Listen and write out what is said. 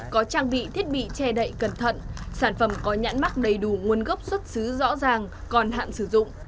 có trang bị thiết bị che đậy cẩn thận sản phẩm có nhãn mắc đầy đủ nguồn gốc xuất xứ rõ ràng còn hạn sử dụng